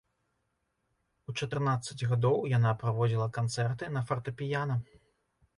У чатырнаццаць гадоў яна праводзіла канцэрты на фартэпіяна.